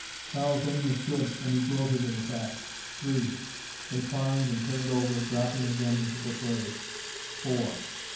Karl's aim was good and he gloated in the fact. Three! They climbed and turned over, dropping again into the fray. Four!